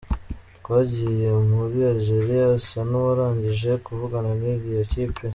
Twagiye muri Algeria asa n’uwarangije kuvugana n’iriya kipe.